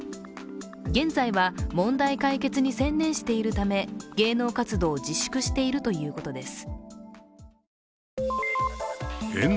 現在は問題解決に専念しているため芸能活動を自粛しているということです。